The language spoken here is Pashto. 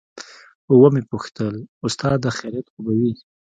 ومې پوښتل استاده خيريت خو به وي.